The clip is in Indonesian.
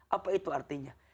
apa itu artinya